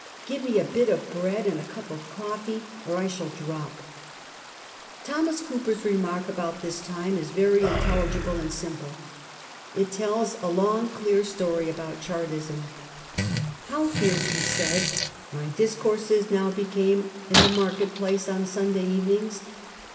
Give me a bit of bread and a cup of coffee or I shall drop.' Thomas Cooper's remark about this time is very intelligible and simple. It tells a long clear story about Char tism. ' How fierce,' he says, * my discourses became now in the Market Place on Sunday evenings